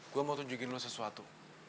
gue mau tunjukin lu sesuatu